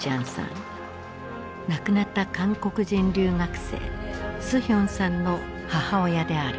亡くなった韓国人留学生スヒョンさんの母親である。